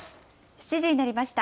７時になりました。